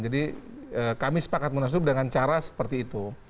jadi kami sepakat munaslup dengan cara seperti itu